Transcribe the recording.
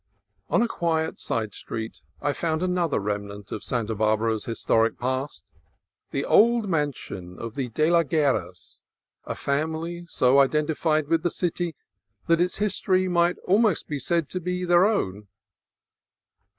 On a quiet side street I found another remnant of Santa Barbara's historic past, — the old mansion of the de la Guerras, a family so identified with the city that its history might almost be said to be their own.